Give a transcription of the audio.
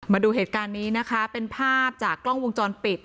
มาดูเหตุการณ์นี้นะคะเป็นภาพจากกล้องวงจรปิด